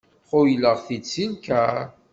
Xuyleɣ-t-id si lkar.